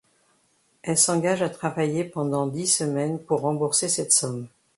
Elle s'engage à travailler pendant dix semaines pour rembourser cette somme.